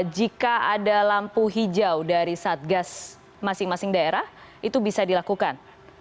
jika ada lampu hijau dari satgas masing masing daerah itu bisa dilakukan